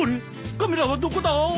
カメラはどこだ！